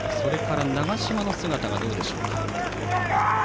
長嶋の姿はどうでしょうか。